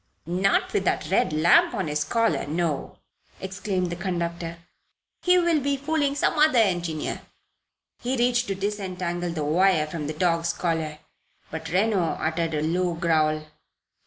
"Not with that red lamp on his collar no!" exclaimed the conductor. "He will be fooling some other engineer " He reached to disentangle the wire from the dog's collar; but Reno uttered a low growl.